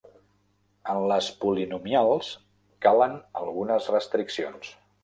En les polinomials calen algunes restriccions.